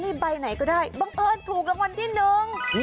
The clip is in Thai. นี่ใบไหนก็ได้บังเอิญถูกรางวัลที่หนึ่ง